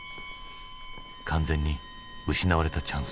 完全に失われたチャンス。